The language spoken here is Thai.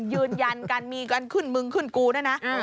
ยืนยันกันมีกันขึ้นมึงขึ้นกลูนะนะ